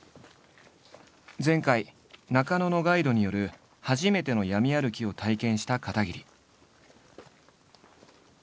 前回中野のガイドによる初めての闇歩きを体験した片桐。